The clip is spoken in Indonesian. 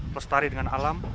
lestari dengan alam